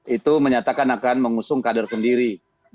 itu menyatakan akan mengusung kader sendiri